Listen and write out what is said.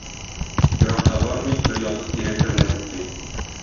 Ерак та бармый, бер ялгыз тирәк төбенә туктый.